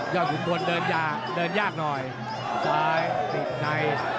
ยากหยุดต้นเดินยากหน่อยซ้ายติดใน